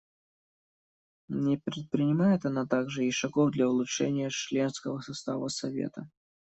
Не предпринимает она также и шагов для улучшения членского состава Совета.